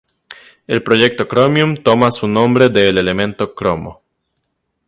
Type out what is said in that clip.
El Proyecto Chromium toma su nombre del elemento cromo.